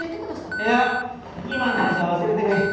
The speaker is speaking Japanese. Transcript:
いや今の話は忘れてくれ。